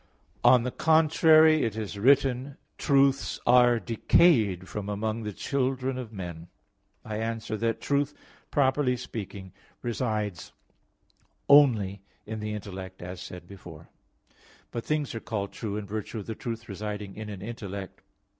On the contrary, It is written (Ps. 11:2), "Truths are decayed from among the children of men." I answer that, Truth, properly speaking, resides only in the intellect, as said before (A. 1); but things are called true in virtue of the truth residing in an intellect.